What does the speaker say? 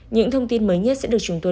những thông tin mới nhất sẽ được chúng tôi